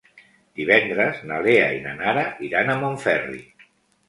Divendres na Lea i na Nara iran a Montferri.